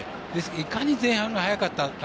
いかに前半が速かったか。